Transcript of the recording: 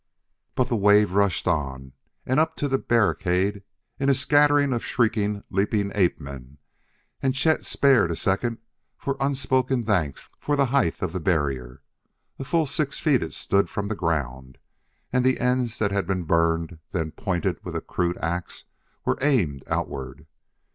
But the wave rushed on and up to the barricade in a scattering of shrieking, leaping ape man, and Chet spared a second for unspoken thanks for the height of the barrier. A full six feet it stood from the ground, and the ends that had been burned, then pointed with a crude ax, were aimed outward.